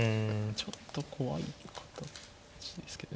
ちょっと怖い形ですけど。